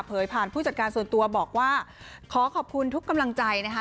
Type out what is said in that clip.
ผ่านผู้จัดการส่วนตัวบอกว่าขอขอบคุณทุกกำลังใจนะคะ